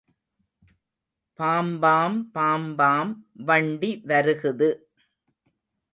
Pom-pom pom-pom வண்டி வருகுது.